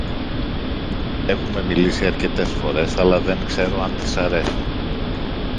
Έχουμε μιλήσει αρκετές φορές, αλλά δεν ξέρω αν της αρέσω.